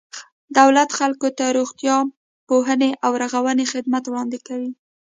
دولت خلکو ته د روغتیا، پوهنې او رغونې خدمات وړاندې کوي.